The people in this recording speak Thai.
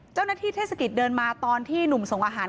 เจ้าหน้าที่เทศกิตเดินมาตอนที่หนุ่มส่งอาหาร